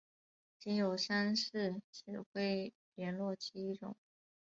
仅有三式指挥连络机一种。